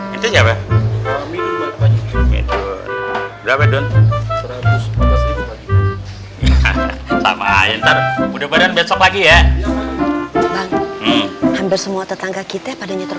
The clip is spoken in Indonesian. kita kalo yang nyakin ya memang harus begitu